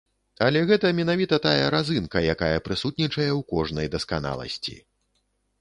Але гэта менавіта тая разынка, якая прысутнічае ў кожнай дасканаласці.